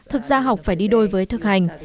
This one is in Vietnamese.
thực ra học phải đi đôi với thực hành